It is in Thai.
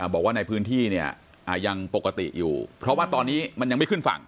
บอกว่าในพื้นที่เนี่ยยังปกติอยู่เพราะว่าตอนนี้มันยังไม่ขึ้นฝั่ง